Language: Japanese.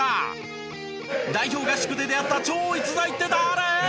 代表合宿で出会った超逸材って誰？